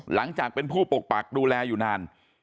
หลังจากเป็นผู้ปกปักดูแลอยู่นาน